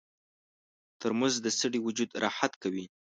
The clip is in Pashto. ترموز د ستړي وجود راحت کوي.